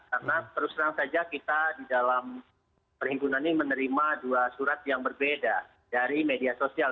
karena terus terang saja kita di dalam perhimpunan ini menerima dua surat yang berbeda dari media sosial